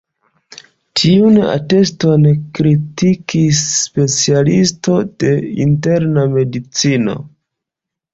Tiun ateston kritikis specialisto de interna medicino.